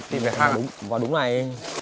tìm về hang vào đúng này